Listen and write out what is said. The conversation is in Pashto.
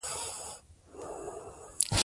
د خلکو زړونه دغو دروغو اتلانو ته کېږي.